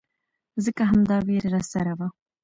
ځکه همدا ويره راسره وه.